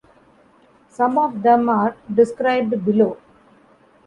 Some of them are described below.